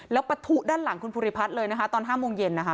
แล้วปะทุด้านหลังคุณภูริพัฒน์เลยนะคะตอน๕โมงเย็นนะคะ